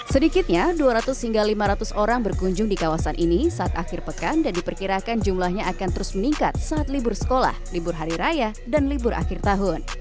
sedikitnya dua ratus hingga lima ratus orang berkunjung di kawasan ini saat akhir pekan dan diperkirakan jumlahnya akan terus meningkat saat libur sekolah libur hari raya dan libur akhir tahun